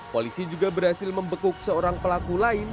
polisi juga berhasil membekuk seorang pelaku lain